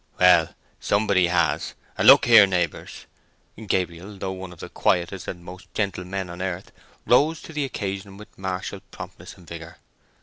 "Well, somebody has—and look here, neighbours," Gabriel, though one of the quietest and most gentle men on earth, rose to the occasion, with martial promptness and vigour.